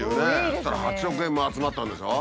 そしたら８億円も集まったんでしょ。